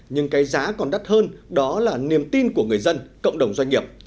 nhưng cái giá còn đắt hơn đó là niềm tin của người dân cộng đồng doanh nghiệp